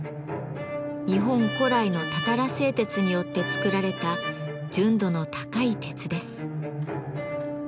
日本古来のたたら製鉄によって作られた純度の高い鉄です。